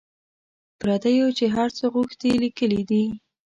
پردیو چي هر څه زړه غوښتي لیکلي دي.